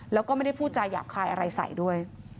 แล้วก็ไม่ได้พูดจาหยาบคายอะไรใส่ด้วย